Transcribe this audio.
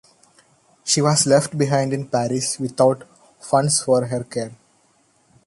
She was left behind in Paris without funds for her care.